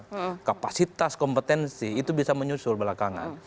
karena kapasitas kompetensi itu bisa menyusul belakangan